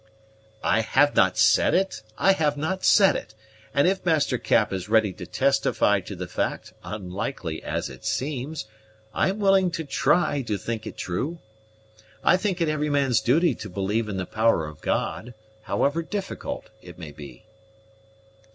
"I have not said it, I have not said it; and if Master Cap is ready to testify to the fact, unlikely as it seems, I am willing to try to think it true. I think it every man's duty to believe in the power of God, however difficult it may be."